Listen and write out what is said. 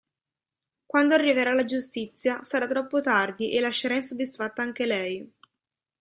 Quando arriverà la giustizia, sarà troppo tardi e lascerà insoddisfatta anche lei.